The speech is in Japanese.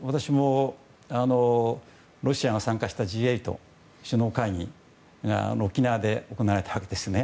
ロシアが参加したＧ８・首脳会談が沖縄で行われたわけですね。